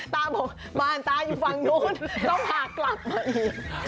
ตาบอกบ้านตาอยู่ฝั่งนู้นต้องพากลับมาอีก